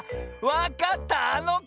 わかったあのこだ！